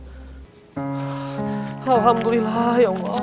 alhamdulillah ya allah